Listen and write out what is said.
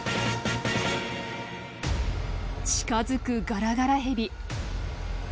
近づくガラガラヘビ。